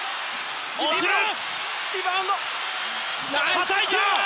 たたいた！